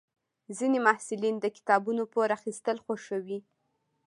ځینې محصلین د کتابونو پور اخیستل خوښوي.